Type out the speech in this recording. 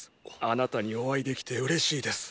あなたにお会いできて嬉しいです。